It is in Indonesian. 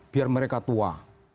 biar mereka tua